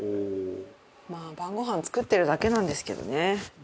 まあ晩ご飯作ってるだけなんですけどね。